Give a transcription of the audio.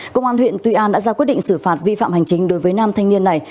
công an huyện tuy an đã ra quyết định xử phạt vi phạm hành chính đối với nam thanh niên này